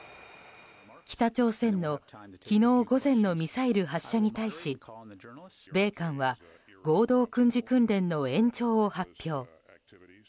北朝鮮の昨日午前のミサイル発射に対し米韓は合同軍事訓練の延長を発表。